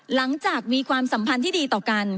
หลังจากมีความสัมพันธ์ที่ดีต่อกัน